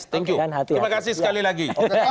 terima kasih sekali lagi